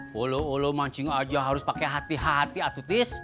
walaulah mancing aja harus pakai hati hati atutis